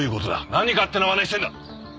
何勝手な真似してんだ！